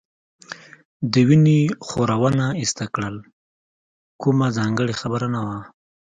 د وینې خورونه ایسته کړل، کومه ځانګړې خبره نه وه.